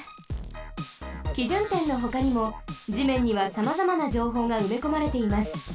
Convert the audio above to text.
基準点のほかにも地面にはさまざまなじょうほうがうめこまれています。